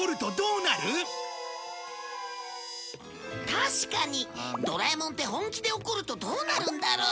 確かにドラえもんって本気で怒るとどうなるんだろう？